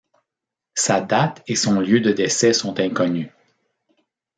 Sa date et son lieu de décès sont inconnus.